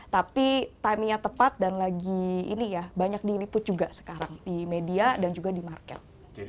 tapi timenya tepat dan lagi ini ya banyak diliput juga sekarang di media dan juga di market